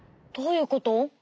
どういうこと？